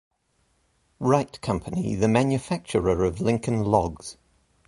Wright Company, the manufacturer of Lincoln Logs.